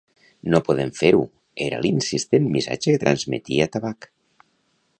"No podem fer-ho" era l'insistent missatge que transmetia Tabac.